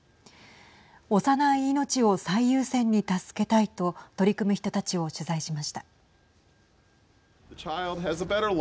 幼い命を最優先に助けたいと取り組む人たちを取材しました。